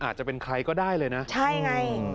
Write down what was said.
ใช่ไง